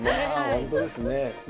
本当ですね。